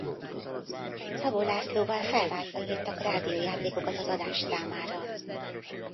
Szabó Lászlóval felváltva írtak rádió játékokat az adás számára.